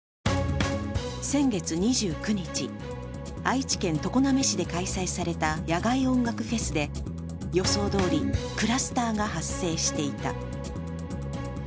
先月２９日、愛知県常滑市で開催された野外音楽フェスで予想どおりクラスターが発生していた。